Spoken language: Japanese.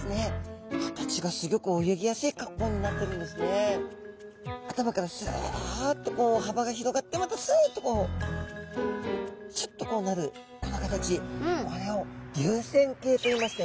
で特にこの頭からスッと幅が広がってまたスッとシュッとこうなるこの形これを流線形といいましたよね。